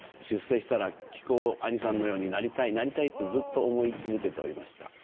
出世したら木久扇兄さんのようになりたいなりたいとずっと思い続けておりました。